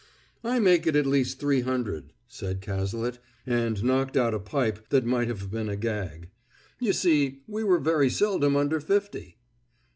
"I make it at least three hundred," said Cazalet, and knocked out a pipe that might have been a gag. "You see, we were very seldom under fifty!"